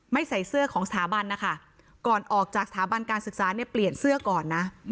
ใส่เสื้อของสถาบันนะคะก่อนออกจากสถาบันการศึกษาเนี่ยเปลี่ยนเสื้อก่อนนะ